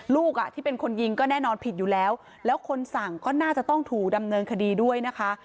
ลูกอ่ะที่เป็นคนยิงก็แน่นอนผิดอยู่แล้วแล้วคนสั่งก็น่าจะต้องถูกดำเนินคดีด้วยนะคะ